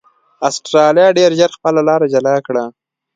اسټرالیا ډېر ژر خپله لار جلا کړه.